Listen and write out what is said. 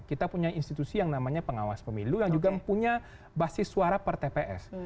kita punya institusi yang namanya pengawas pemilu yang juga punya basis suara per tps